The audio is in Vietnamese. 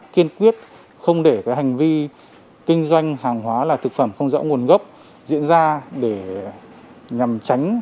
kiên quyết không để cái hành vi kinh doanh hàng hóa là thực phẩm không rõ nguồn gốc diễn ra để nhằm tránh